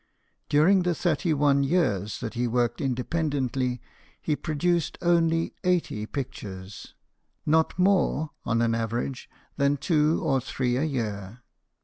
During the thirty one years that he worked indepen dently, he produced only eighty pictures not more, on an average, than two or three a year.